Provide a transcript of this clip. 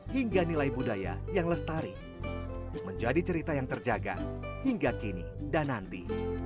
hingga nilai budaya yang lestari menjadi cerita yang terjaga hingga kini dan nanti